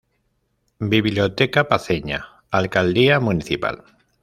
Biblioteca Paceña, Alcaldía Municipal.